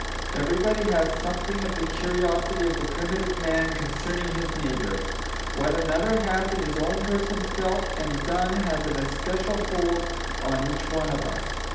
Everybody has something of the curiosity of the primitive man concerning his neighbour; what another has in his own person felt and done has an especial hold on each one of us.